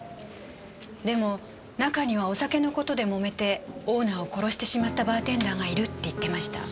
でも中にはお酒の事で揉めてオーナーを殺してしまったバーテンダーがいるって言ってました。